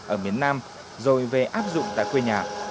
ở miền nam rồi về áp dụng tại quê nhà